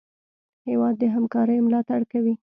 هېواد د همکارۍ ملاتړ کوي.